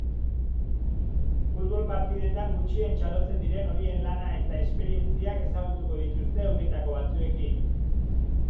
Futbol partidetan gutxien txalotzen diren horien lana eta esperientziak ezagutuko dituzte euretako batzuekin.